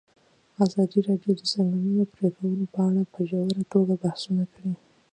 ازادي راډیو د د ځنګلونو پرېکول په اړه په ژوره توګه بحثونه کړي.